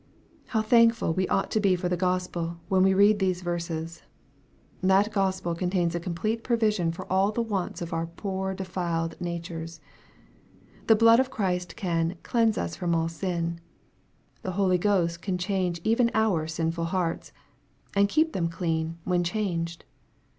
How thankful we ought to be for the Gospel, when we read these verses 1 That Gospel contains a complete provision for all the wants of our poor defiled natures. The blood of Christ can "cleanse us from all sin." The Holy Ghost can change even our sinful hearts, and keep them clean, when changed.